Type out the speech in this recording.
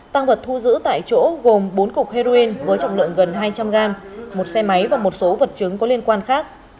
tăng vật thu giữ tại chỗ gồm bốn cục heroin với trọng lượng gần hai trăm linh gram một xe máy và một số vật chứng có liên quan khác